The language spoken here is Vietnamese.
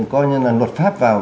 coi như là luật pháp vào